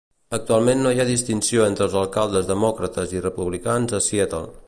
Actualment no hi ha distinció entre els alcaldes demòcrates i republicans a Seattle.